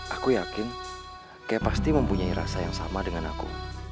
aku yakin k pasti mempunyai rasa yang sama dengan aku